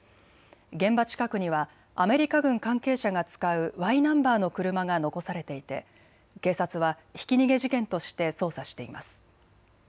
現場近くにはアメリカ軍関係者が使うＹナンバーの車が残されていて警察はひき逃げ事件として捜査しています。